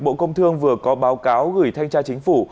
bộ công thương vừa có báo cáo gửi thanh tra chính phủ